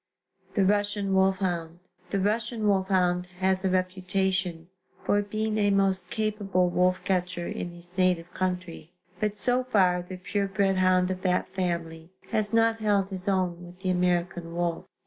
THE RUSSIAN WOLFHOUND. The Russian wolfhound has a reputation for being a most capable wolf catcher in his native country, but so far the pure bred hound of that family has not held his own with the American wolf.